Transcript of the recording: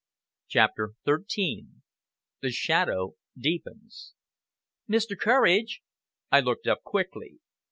... CHAPTER XIII THE SHADOW DEEPENS "Mr. Courage!" I looked up quickly.